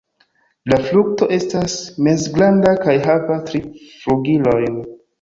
La frukto estas mezgranda kaj havas tri flugilojn.